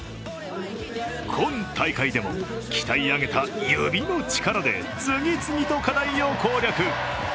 今大会でも鍛え上げた指の力で次々と課題を攻略。